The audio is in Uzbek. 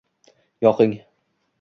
Yoqing